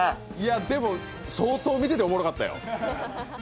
でも、相当見てておもろかったよ。